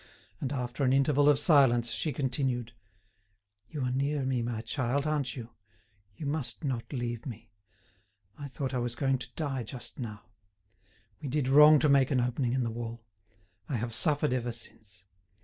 And after an interval of silence, she continued: "You are near me, my child, aren't you? You must not leave me. I thought I was going to die just now. We did wrong to make an opening in the wall. I have suffered ever since.